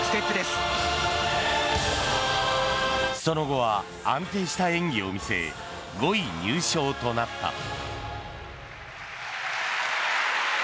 その後は安定した演技を見せ５位入賞となった。